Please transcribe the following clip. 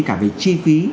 cả về chi phí